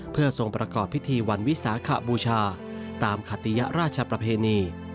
เพื่อทรงประกอบพิธีวันวิสาขบูชาตามขติยราชประเพณี